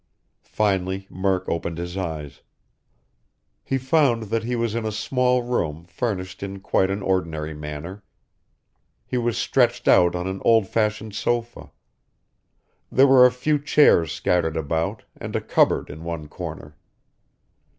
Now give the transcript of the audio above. Finally Murk opened his eyes. He found that he was in a small room furnished in quite an ordinary manner. He was stretched on an old fashioned sofa. There were a few chairs scattered about, and a cupboard in one corner.